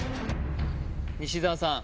西澤さん